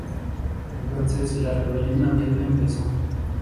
Entonces la rebelión abierta empezó.